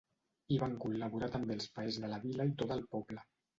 Hi van col·laborar també els paers de la vila i tot el poble.